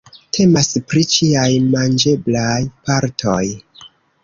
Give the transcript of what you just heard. Temas pri ĉiaj manĝeblaj partoj.